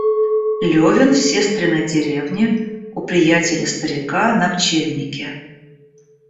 Левин в сестриной деревне у приятеля-старика на пчельнике.